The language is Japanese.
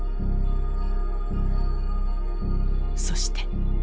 そして。